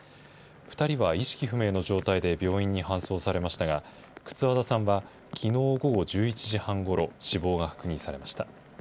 ２人は意識不明の状態で病院に搬送されましたが、轡田さんはきのう午後１１時半ごろ、死亡が確認されました。